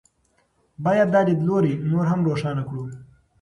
باید دا لیدلوری نور هم روښانه کړو.